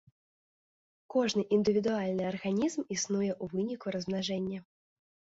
Кожны індывідуальны арганізм існуе ў выніку размнажэння.